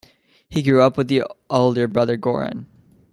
He grew up with the older brother Goran.